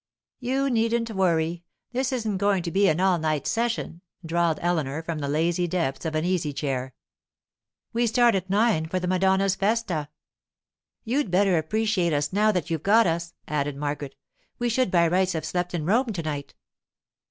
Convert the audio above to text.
'You needn't worry; this isn't going to be an all night session,' drawled Eleanor from the lazy depths of an easy chair. 'We start at nine for the Madonna's festa.' 'You'd better appreciate us now that you've got us,' added Margaret. 'We should by rights have slept in Rome to night.